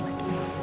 ya ya dong